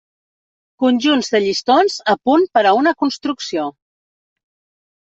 Conjunts de llistons a punt per a una construcció.